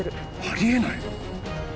ありえない。